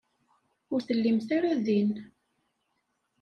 Ur tellimt ara din.